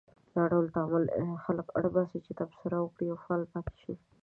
دا ډول تعامل خلک اړ باسي چې تبصره وکړي او فعال پاتې شي.